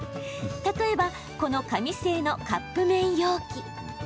例えば、この紙製のカップ麺容器。